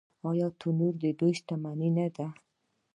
آیا تنوع د دوی شتمني نه ده؟